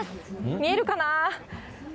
見えるかな？